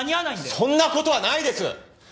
そんな事はないです！